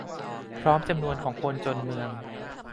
พร้อมจำนวนของคนจนเมือง